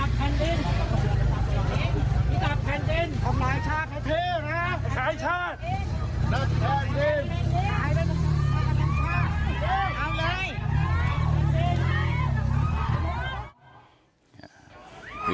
บาทมีหลายชาติ